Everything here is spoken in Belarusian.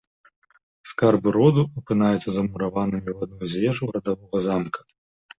Скарбы роду апынаюцца замураванымі ў адной з вежаў радавога замка.